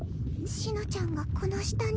紫乃ちゃんがこの下に。